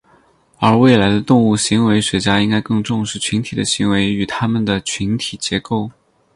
而未来的动物行为学家应该更重视群体的行为与它们的群体结构。